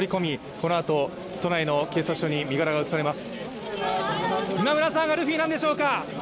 このあと、都内の警察署に身柄が移されます。